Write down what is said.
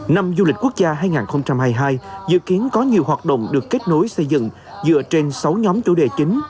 năm du lịch quốc gia hai nghìn hai mươi hai dự kiến có nhiều hoạt động được kết nối xây dựng dựa trên sáu nhóm chủ đề chính